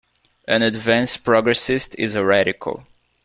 An advanced progressist is a radical.